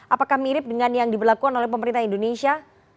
apakah mirip dengan yang diberlakukan oleh pemerintah indonesia